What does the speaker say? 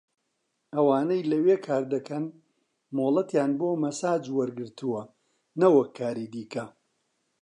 ئەوانەی لەوێ کاردەکەن مۆڵەتیان بۆ مەساج وەرگرتووە نەوەک کاری دیکە